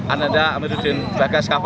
ananda amiruddin bagas kafa